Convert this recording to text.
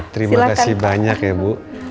terima kasih banyak ya bu